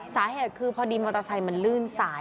สาเหตุคือพอดีมอเตอร์ไซค์มันลื่นสาย